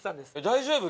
大丈夫？